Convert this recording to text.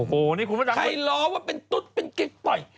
ใครรอว่าเป็นตุ๊ดเป็นเก็ตปอย